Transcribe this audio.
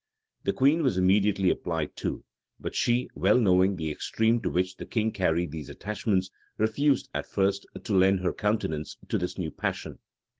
The queen was immediately applied to; but she, well knowing the extreme to which the king carried these attachments, refused, at first, to lend her countenance to this new passion.